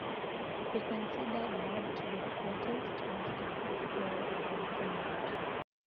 He considered Bird to be the greatest basketball player of all time.